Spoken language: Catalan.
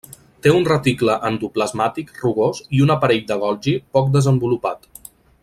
Té un reticle endoplasmàtic rugós i un aparell de Golgi poc desenvolupat.